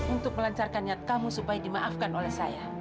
untuk melancarkan niat kamu supaya dimaafkan oleh saya